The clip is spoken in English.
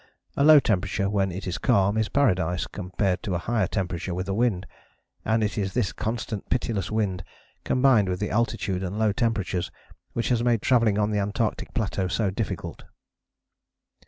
A low temperature when it is calm is paradise compared to a higher temperature with a wind, and it is this constant pitiless wind, combined with the altitude and low temperatures, which has made travelling on the Antarctic plateau so difficult.